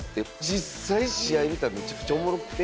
実際試合見たら、めちゃくちゃおもろくて。